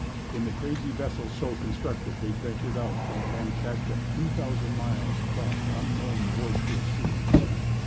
In the crazy vessels so constructed they ventured out from Kamchatka two thousand miles across unknown boisterous seas.